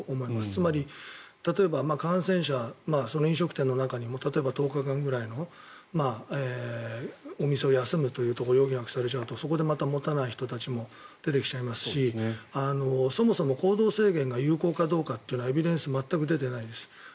つまり、例えば感染者飲食店の中にも例えば１０日間くらいのお店を休むというところ余儀なくされているところそこでまた持たないという人たちも出てきちゃいますしそもそも行動制限が有効かどうかはエビデンスが全く出てないです。